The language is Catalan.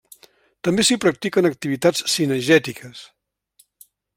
També s'hi practiquen activitats cinegètiques.